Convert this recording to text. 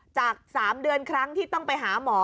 จาก๓เดือนครั้งที่ต้องไปหาหมอ